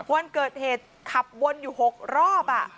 วันเกิดเหตุขับวนอยู่๖รอบ